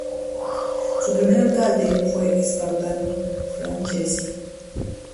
Su primer alcalde fue Espartano Franceschi.